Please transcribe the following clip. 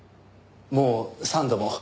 もう三度も。